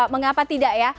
mengapa tidak ya